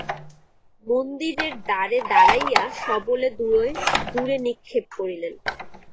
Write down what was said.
মন্দিরের দ্বারে দাঁড়াইয়া সবলে দূরে নিক্ষেপ করিলেন।